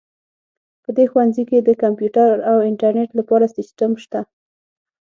په دې ښوونځي کې د کمپیوټر او انټرنیټ لپاره سیسټم شته